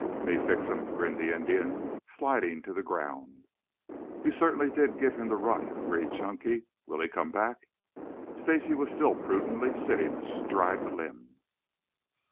"Me fix um," grinned the Indian, sliding to the ground. "You certainly did give him the run," agreed Chunky. "Will he come back?" Stacy was still prudently sitting astride the limb.